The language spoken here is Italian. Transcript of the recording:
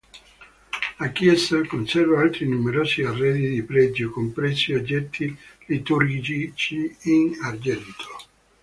La chiesa conserva altri numerosi arredi di pregio compresi oggetti liturgici in argento.